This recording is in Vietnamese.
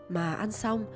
mà ăn xong